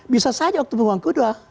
bisa saja waktu membuang kedua